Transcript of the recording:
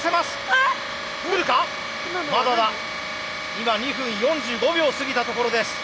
今２分４５秒を過ぎたところです。